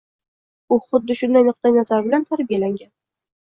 U xuddi shunday nuqtai nazar bilan tarbiyalangan.